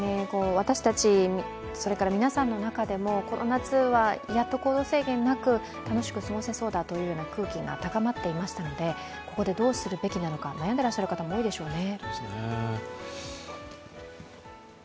私たち、それから皆さんの中でもこの夏はやっと行動制限なく楽しく過ごせそうだという空気が高まっていましたのでここでどうするべきなのか悩んでらっしゃる方も多いでしょうね。